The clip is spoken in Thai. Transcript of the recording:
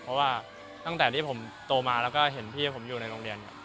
เพราะว่าตั้งแต่ที่ผมโตมาแล้วก็เห็นพี่ผมอยู่ในโรงเรียน